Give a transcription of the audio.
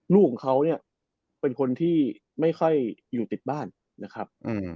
ลูกของเขาเนี่ยเป็นคนที่ไม่ค่อยอยู่ติดบ้านนะครับ